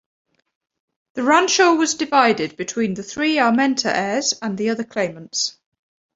The rancho was divided between the three Armenta heirs and the other claimants.